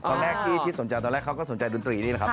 ตอนแรกที่สนใจตอนแรกเขาก็สนใจดนตรีนี่แหละครับ